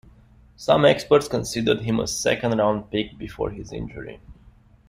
Some experts considered him a second round pick before his injury.